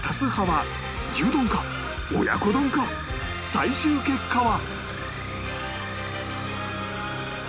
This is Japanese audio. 最終結果は